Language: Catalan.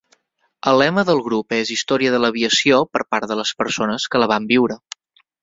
El lema del grup és "Història de l"aviació per part de les persones que la van viure".